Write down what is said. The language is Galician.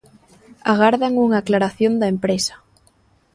Agardan unha aclaración da empresa.